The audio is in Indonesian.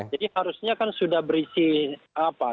jadi harusnya kan sudah berisi apa